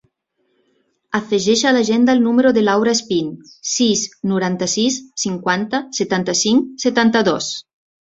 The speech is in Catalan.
Afegeix a l'agenda el número de l'Aura Espin: sis, noranta-sis, cinquanta, setanta-cinc, setanta-dos.